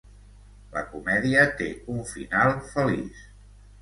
La comèdia té un final feliç.